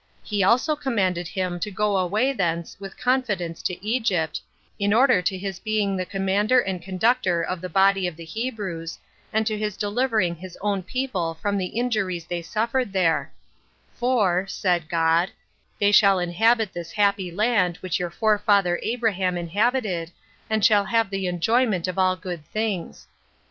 He also commanded him to go away thence with confidence to Egypt, in order to his being the commander and conductor of the body of the Hebrews, and to his delivering his own people from the injuries they suffered there: "For," said God, "they shall inhabit this happy land which your forefather Abraham inhabited, and shall have the enjoyment of all good things."